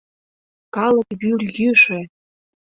Калык вӱр йӱшӧ!..